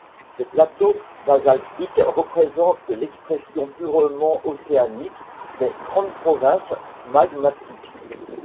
Ces plateaux basaltiques représentent l'expression purement océanique des Grandes Provinces magmatiques.